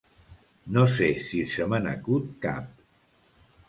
No sé si se me n'acut cap.